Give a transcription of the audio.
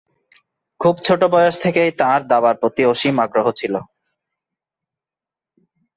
খুব ছোট বয়স থেকেই তাঁর দাবার প্রতি অসীম আগ্রহ ছিল।